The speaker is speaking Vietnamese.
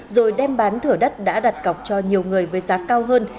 rồi đem bán thửa đất đã đặt cọc cho nhiều người với giá cao hơn